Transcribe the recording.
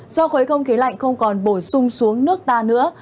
do khối không khí lạnh không còn bổ sung xuống nước ta nữa